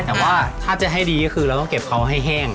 แต่ว่าถ้าจะให้ดีก็คือเราต้องเก็บเขาให้แห้ง